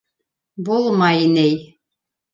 Булмай ни...